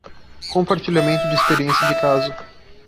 Compartilhamento de experiência de caso